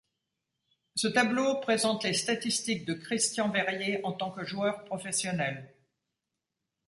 Ce tableau présente les statistiques de Christian Verrier en tant que joueur professionnel.